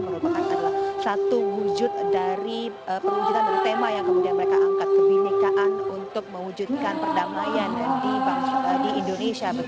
menurut mereka adalah satu wujud dari tema yang kemudian mereka angkat kebenikan untuk mewujudkan perdamaian di indonesia